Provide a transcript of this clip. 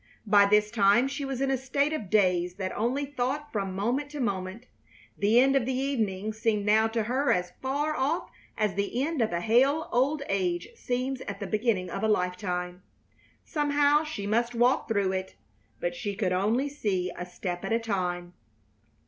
By this time she was in a state of daze that only thought from moment to moment. The end of the evening seemed now to her as far off as the end of a hale old age seems at the beginning of a lifetime. Somehow she must walk through it; but she could only see a step at a time.